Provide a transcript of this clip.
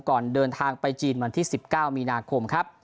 ก่อนเดินทางไปจีนวันที่๑๙มีนาคมครับ